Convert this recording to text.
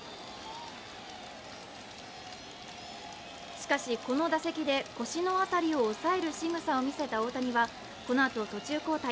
しかし、この打席で腰の辺りを押さえるしぐさを見せた大谷は、このあと途中交代。